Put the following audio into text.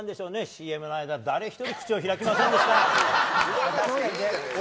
ＣＭの間誰１人、口を開きませんでした。